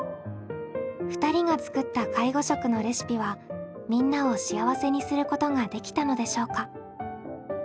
２人が作った介護食のレシピはみんなを幸せにすることができたのでしょうか？